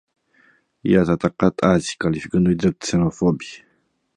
I-ați atacat azi, calificându-i drept xenofobi.